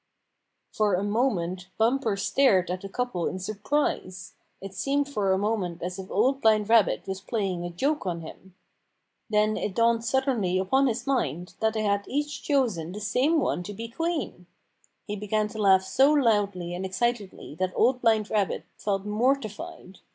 For a moment Bumper stared at the couple in surprise. It seemed for a moment as if Old Blind Rabbit was playing a joke on him. Then it dawned suddenly upon his mind that they had each chosen the same one to be queen. He began to laugh so loudly and excitedly that Old Blind Rabbit felt mortified.